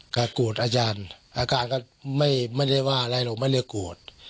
ก็โกรธอาจารย์อาการก็ไม่ได้ว่าอะไรเราไม่ได้โกรธ